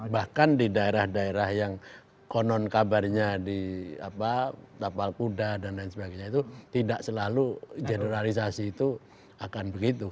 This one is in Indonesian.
bahkan di daerah daerah yang konon kabarnya di tapal kuda dan lain sebagainya itu tidak selalu generalisasi itu akan begitu